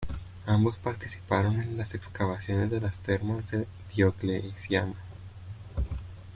Ambos participaron en las excavaciones de las termas de Diocleciano.